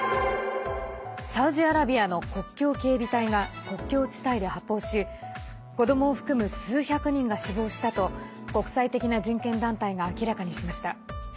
サウジアラビアの国境警備隊が国境地帯で発砲し子どもを含む数百人が死亡したと国際的な人権団体が明らかにしました。